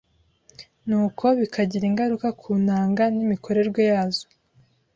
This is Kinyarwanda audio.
nuko bikagira ingaruka ku ntanga n’imikorerwe yazo